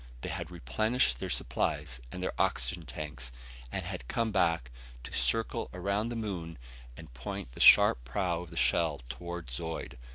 They had replenished their supplies and their oxygen tanks, and had come back to circle around the moon and point the sharp prow of the shell toward Zeud.